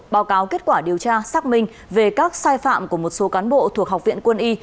báo cáo kết quả điều tra xác minh về các sai phạm của một số cán bộ thuộc học viện quân y